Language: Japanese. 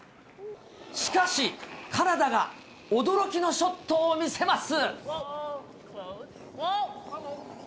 しかし、カナダが驚きのショットを見せます。